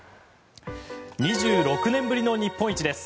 ２６年ぶりの日本一です。